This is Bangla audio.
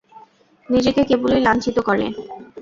নিজেকে কেবলই লাঞ্ছিত করে।